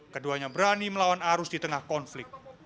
keduanya berani melawan arus di tengah konflik